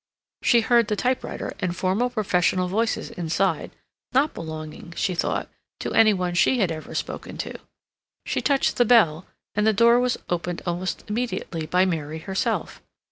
She heard the typewriter and formal professional voices inside, not belonging, she thought, to any one she had ever spoken to. She touched the bell, and the door was opened almost immediately by Mary herself.